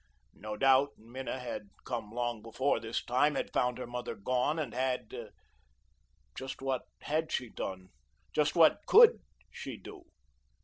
No doubt, Minna had come long before this time, had found her mother gone, and had just what had she done, just what COULD she do?